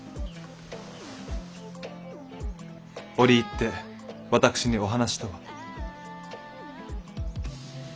折り入って私にお話とは？